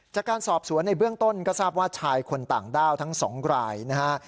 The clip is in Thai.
จากการสอบสวนในเบื้องต้นก็ทราบว่าชายคนต่างด้าวทั้ง๒รายนะฮะ